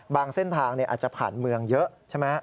เส้นทางอาจจะผ่านเมืองเยอะใช่ไหม